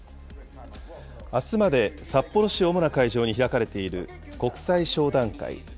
あすまで札幌市を主な会場に開かれている国際商談会。